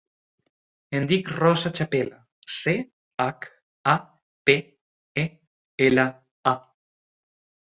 Em dic Rosa Chapela: ce, hac, a, pe, e, ela, a.